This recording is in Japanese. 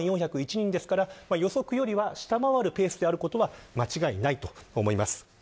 予測よりは下回るペースであることは間違いないと思います。